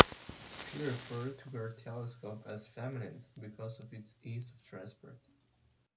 She referred to her telescope as "feminine" because of its ease of transport.